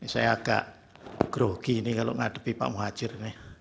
saya agak grogi ini kalau menghadapi pak muhajir ini